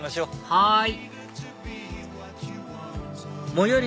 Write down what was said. はい！